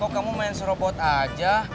oh kamu main serobot aja